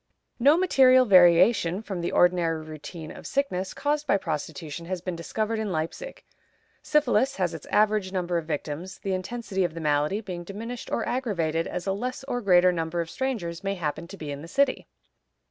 No material variation from the ordinary routine of sickness caused by prostitution has been discovered in Leipzig. Syphilis has its average number of victims, the intensity of the malady being diminished or aggravated as a less or greater number of strangers may happen to be in the city.